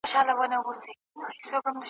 په داسي حال کي ګډون کړی وو